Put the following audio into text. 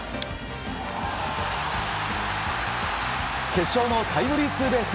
決勝のタイムリーツーベース